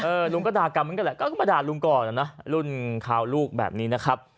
ลุงก็ด่ากรรมเหมือนกันแหละก็มาด่าลุงก่อนนะรุ่นข่าวลูกแบบนี้นะครับ